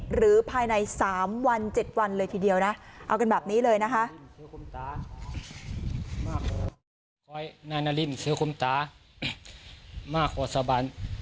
หรือภายใน๓วัน๗วันเลยทีเดียวนะเอากันแบบนี้เลยนะคะ